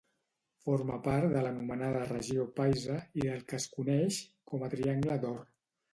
Forma part de l'anomenada Regió paisa i del que es coneix com a Triangle d'or.